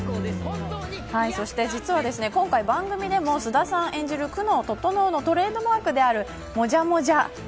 そして実は、今回番組でも菅田さん演じる久能整のトレードマークでもあるもじゃもじゃ。